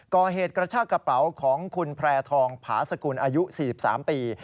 กระชากระเป๋าของคุณแพร่ทองผาสกุลอายุ๔๓ปี